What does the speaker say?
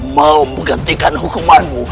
mau menggantikan hukumanmu